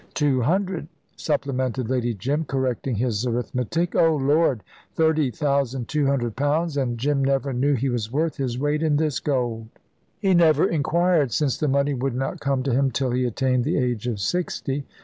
"Two hundred," supplemented Lady Jim, correcting his arithmetic. "Oh, Lord! Thirty thousand two hundred pounds, and Jim never knew that he was worth his weight in this gold." "He never inquired, since the money would not come to him till he attained the age of sixty."